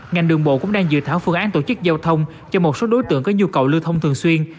ngành đường bộ cũng đang dự thảo phương án tổ chức giao thông cho một số đối tượng có nhu cầu lưu thông thường xuyên